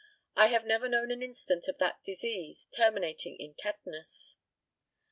I have never known an instance of that disease terminating in tetanus.